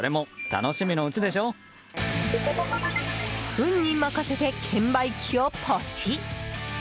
運に任せて券売機をポチ！